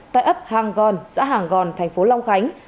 tại ấp hàng gòn xã hàng gòn thành phố long khánh